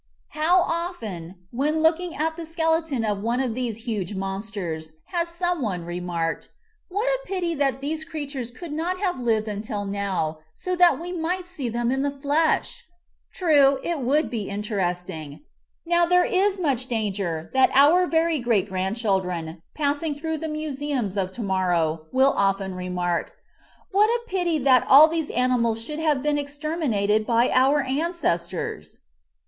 How often, when looking at the skeleton of one of these huge monsters, has some one remarked, "What a pity that these creatures could not have lived until now, so that we might see them in the flesh !" True, it would be interest ing ! Now there is much danger that our very great grandchildren, passing through the museums of to morrow, will often remark, " What a pity that all these animals should have been exterminated by our ancestors